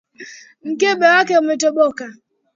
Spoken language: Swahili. Mkebe wake umetoboka.